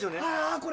これ。